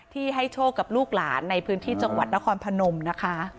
ที่ให้โชคกับลูกหลานในพื้นที่จังหวัดนครพนมนะคะ